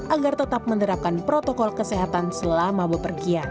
agar tetap menerapkan protokol kesehatan selama bepergian